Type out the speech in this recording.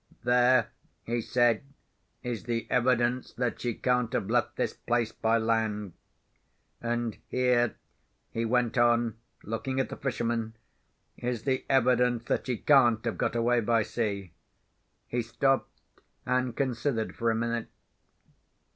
"There," he said, "is the evidence that she can't have left this place by land. And here," he went on, looking at the fisherman, "is the evidence that she can't have got away by sea." He stopped, and considered for a minute.